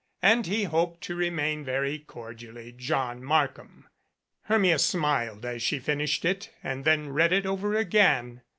And he hoped to remain very cordially "John Markham." Hermia smiled as she finished it and then read it over again.